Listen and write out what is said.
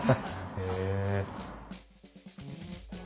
へえ。